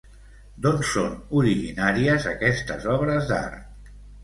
D'on són originàries aquestes obres d'art?